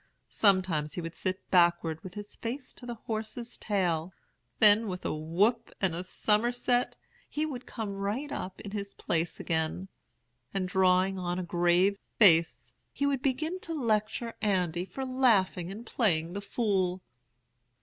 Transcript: Sometimes he would sit backward with his face to the horse's tail; then, with a whoop and a somerset, he would come right side up in his place again; and, drawing on a grave face, he would begin to lecture Andy for laughing and playing the fool.